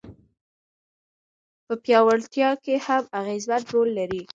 په پياوړتيا کي هم اغېزمن رول لري.